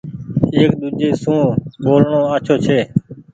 ايڪ ۮوجهي سون ٻولڻو آڇو ڇي۔